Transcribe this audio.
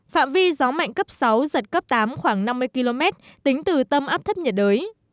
phạm vi gió mạnh cấp sáu giật cấp tám khoảng năm mươi km tính từ tâm áp thấp nhiệt đới